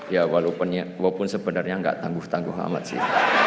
ya walaupun sebenarnya nggak tangguh tangguh amat sih